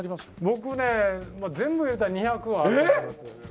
僕ね全部入れたら２００はあると思います。